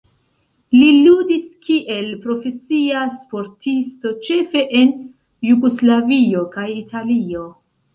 Li ludis kiel profesia sportisto ĉefe en Jugoslavio kaj Italio.